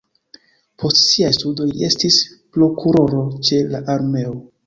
Post siaj studoj li estis prokuroro ĉe la armeo.